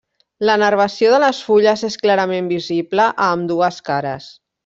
La nervació de les fulles és clarament visible a ambdues cares.